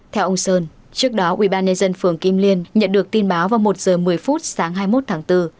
theo ông sơn trước đó ubnd phường kim liên nhận được tin báo vào một giờ một mươi phút sáng hai mươi một tháng bốn